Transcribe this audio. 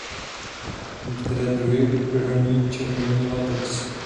Některé druhy roní červený latex.